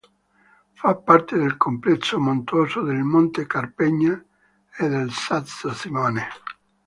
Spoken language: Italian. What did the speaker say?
Fa parte del complesso montuoso del monte Carpegna e del Sasso Simone.